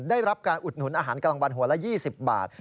ได้รับการอุดหนุนอาหารกลางวันหัวละ๒๐บาท